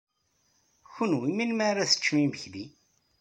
Kenwi melmi ara teččem imekli?